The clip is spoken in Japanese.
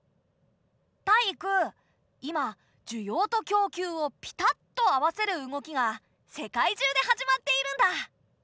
タイイク今需要と供給をピタッとあわせる動きが世界中で始まっているんだ。